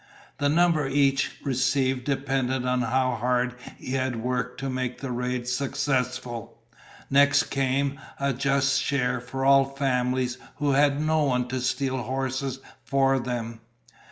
The number each received depended on how hard he had worked to make the raid successful. Next came a just share for all families who had no one to steal horses for them.